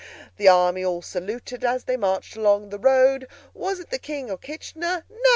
"The army all saluted As they marched along the road. Was it the King? Or Kitchener? No.